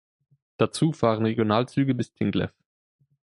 Dazu fahren Regionalzüge bis Tinglev.